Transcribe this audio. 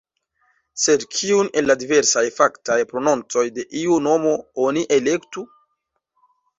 Sed kiun el la diversaj faktaj prononcoj de iu nomo oni elektu?